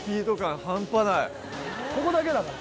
ここだけだから。